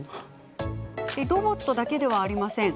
ロボットだけではありません。